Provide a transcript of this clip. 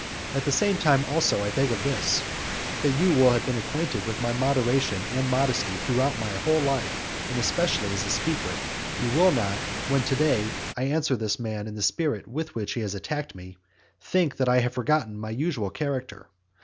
At the same time also, I beg this of you; that if you have been acquainted with my moderation and modesty throughout my whole life, and especially as a speaker, you will not, when to day I answer this man in the spirit in which he has attacked me, think that I have forgotten my usual character.